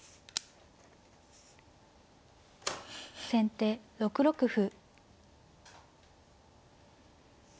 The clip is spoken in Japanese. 先手６六歩。